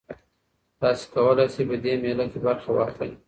تاسي کولای شئ په دې مېله کې برخه واخلئ.